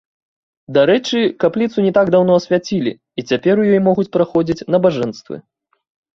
Дарэчы, капліцу не так даўно асвяцілі, і цяпер у ёй могуць праходзіць набажэнствы.